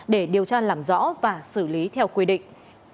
để điều tra làm rõ và xử lý theo quy định